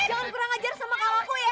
jangan kurang ajar sama kamu aku ya